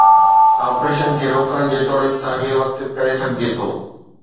Operation کي روڪڻ، جيتوڻيڪ، ساڳئي وقت ڪري سگهجي ٿو.